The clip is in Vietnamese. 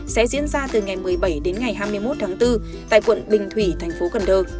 sẽ diễn ra từ ngày một mươi bảy đến ngày hai mươi một tháng bốn tại quận bình thủy tp hcm